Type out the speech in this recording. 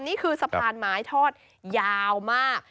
นี่คือสะพานไม้ทอดยาวมาก